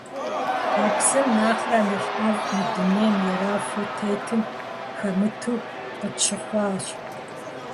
А псым нэхърэ нэхъ ӀэфӀ мы дунейм ирафу тетым хэмыту къытщыхъуащ.